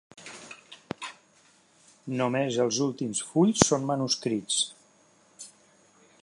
Només els últims fulls són manuscrits.